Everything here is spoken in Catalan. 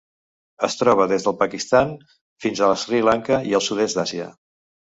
Es troba des del Pakistan fins a Sri Lanka i el sud-est d'Àsia.